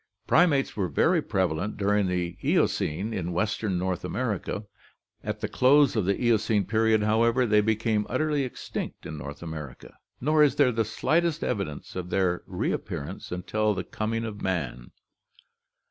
Primates were very prevalent during the Eocene in western North America. At the close of the Eocene period, however, they became utterly extinct in North America, nor is there the slightest evidence of their reappearance until the 54 ORGANIC EVOLUTION coming of man.